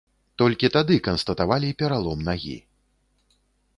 Толькі тады канстатавалі пералом нагі.